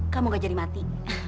kamu gak jadi mati